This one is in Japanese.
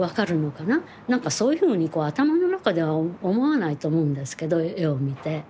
何かそういうふうに頭の中では思わないと思うんですけど絵を見て。